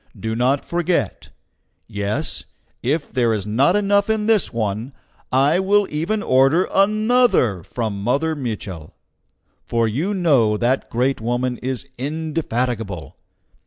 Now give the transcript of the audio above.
Do not forget. Yes! if there is not enough in this one, I will even order ANOTHER from Mother Mitchel; for you know that great woman is indefatigable.